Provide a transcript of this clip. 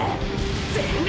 全力！！